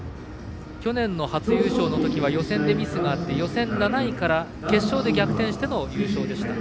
去年の初優勝のときは予選でミスがあって予選７位から決勝で逆転しての優勝でした。